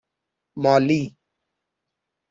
مالی